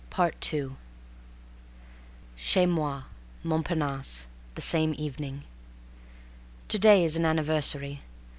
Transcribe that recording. _" II Chez Moi, Montparnasse, The same evening. To day is an anniversary.